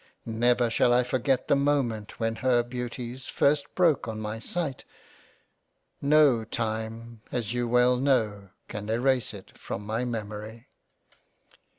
Never shall I forget the moment when her Beauties first broke on my sight — No time as you well know can erase it from my Mem ory.